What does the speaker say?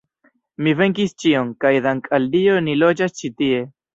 Mi venkis ĉion, kaj dank' al Dio ni loĝas ĉi tie.